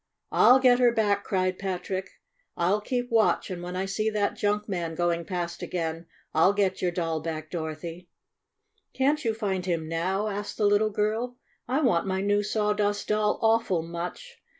"I'll get her back!" cried Patrick. "I'll keep watch, and when I see that junk man going past again I'll get your doll back, Dorothy." "Can't you find him now?" asked the little girl. "I want my new Sawdust Doll awful much!